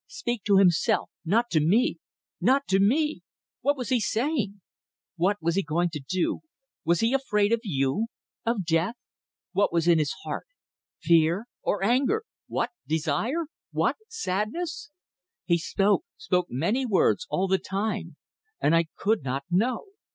Speak to himself not to me. Not to me! What was he saying? What was he going to do? Was he afraid of you? Of death? What was in his heart? ... Fear? ... Or anger? ... what desire? ... what sadness? He spoke; spoke; many words. All the time! And I could not know!